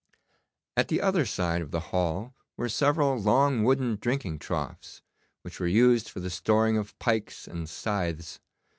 At the other side of the hall were several long wooden drinking troughs, which were used for the storing of pikes and scythes.